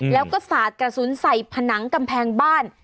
แล้วก็สาดกระสุนใส่ผนังกำแพงบ้าน